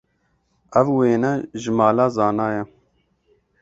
Ev wêne ji mala Zana ye.